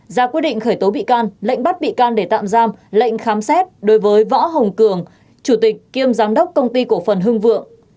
ra quyết định khởi tố bị can lệnh bắt bị can để tạm giam lệnh khám xét đối với võ hồng cường chủ tịch kiêm giám đốc công ty cổ phần hưng vượng